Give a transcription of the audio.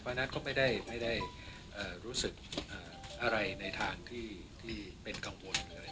เพราะฉะนั้นก็ไม่ได้รู้สึกอะไรในทางที่เป็นกังวลอะไร